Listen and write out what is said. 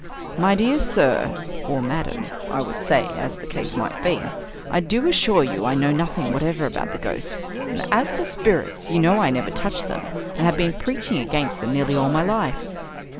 "My dear Sir," or "Madam," I would say, as the case might be, "I do assure you I know nothing whatever about the Ghost" and as for "spirits," you know I never touch them, and have been preaching against them nearly all my life."